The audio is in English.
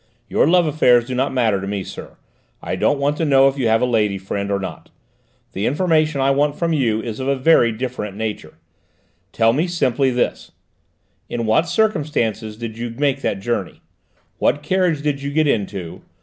Your love affairs do not matter to me, sir; I don't want to know if you have a lady friend, or not. The information I want from you is of a very different nature. Tell me simply this: in what circumstances did you make that journey? What carriage did you get into?